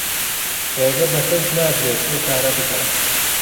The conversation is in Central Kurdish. ڕێگە بە کەس نادرێت ئەو کارە بکات.